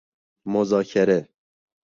مذاکره